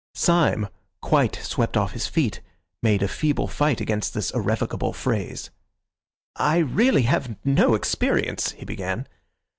Syme, quite swept off his feet, made a feeble fight against this irrevocable phrase. "I really have no experience," he began.